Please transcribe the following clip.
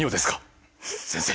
先生。